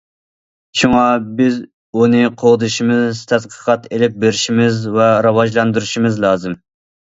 شۇڭا، بىز ئۇنى قوغدىشىمىز، تەتقىقات ئېلىپ بېرىشىمىز ۋە راۋاجلاندۇرۇشىمىز لازىم.